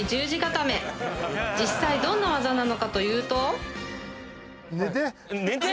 実際どんな技なのかというと寝て？